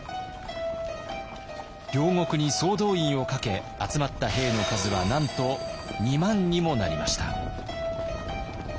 領国に総動員をかけ集まった兵の数はなんと２万にもなりました。